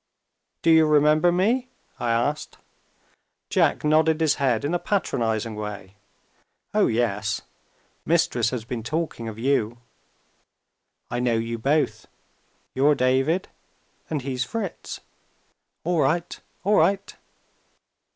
"Do you remember me?" I asked. Jack nodded his head in a patronizing way. "Oh, yes Mistress has been talking of you. I know you both. You're David, and he's Fritz. All right! all right!"